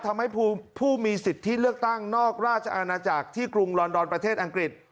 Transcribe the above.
ทำให้ผู้มีสิทธิเลือกตั้งนอกราชอาณาจักรที่กรุงลอนดอนประเทศอังกฤษ